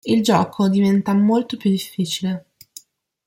Il gioco diventa molto più difficile.